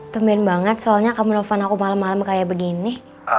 tumir banget soalnya kamu nelfon aku malem malem kayak begini